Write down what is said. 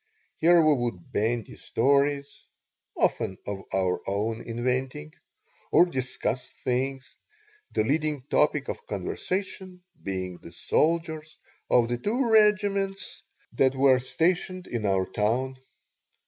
Here we would bandy stories (often of our own inventing) or discuss things, the leading topic of conversation being the soldiers of the two regiments that were stationed in our town.